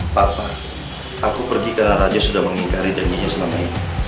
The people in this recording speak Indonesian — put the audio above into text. papa aku pergi karena raja sudah mengingkari janjinya selama ini